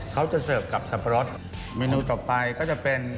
เขาจะเสิร์ฟกับสับปะรดเมนูต่อไปก็จะเป็น